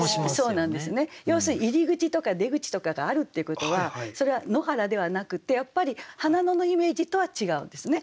要するに入り口とか出口とかがあるっていうことはそれは野原ではなくてやっぱり「花野」のイメージとは違うんですね。